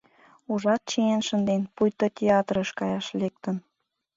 Ужат, чиен шынден, пуйто театрыш каяш лектын.